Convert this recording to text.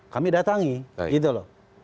kami datangi gitu loh